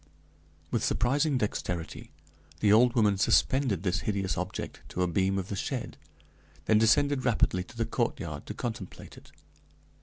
With surprising dexterity the old woman suspended this hideous object to a beam of the shed, then descended rapidly to the courtyard to contemplate it.